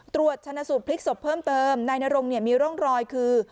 ตรวจชนะสูตรพลิกศพเพิ่มเติมนายนรงเนี่ยมีร่องรอยคือ